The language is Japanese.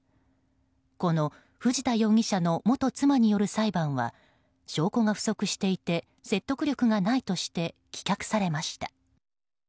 この藤田容疑者の元妻による裁判は証拠が不足していて説得力がないとして棄却されました。